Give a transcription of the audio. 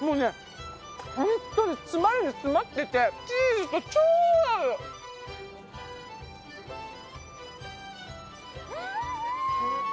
本当に詰まりに詰まっててチーズと超合う！